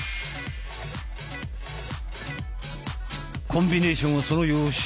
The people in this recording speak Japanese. コンビネーションはその予習。